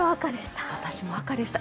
私も赤でした。